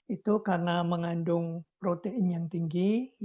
itu karena mengandung protein yang tinggi